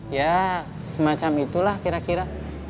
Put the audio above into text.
ya semacam itulah kira kira